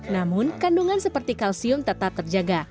namun kandungan seperti kalsium tetap terjaga